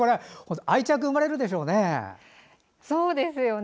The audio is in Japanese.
愛着が生まれるでしょうね。